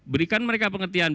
berikan mereka pengertian